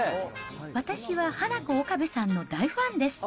私はハナコ・岡部さんの大ファンです。